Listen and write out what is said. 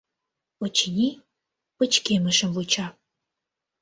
Очыни, пычкемышым вуча.